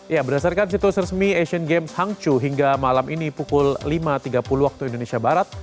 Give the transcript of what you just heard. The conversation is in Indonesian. ya berdasarkan situs resmi asian games hangzhou hingga malam ini pukul lima tiga puluh waktu indonesia barat